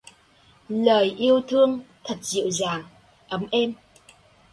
Lời yêu thương...thật dịu dàng ấm êm.